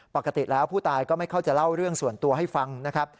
ปกติแล้วผู้ตายก็ไม่เข้าจะเล่าเรื่องส่วนตัวให้ฟังนะครับ